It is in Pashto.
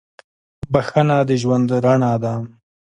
• بخښنه د ژوند رڼا ده.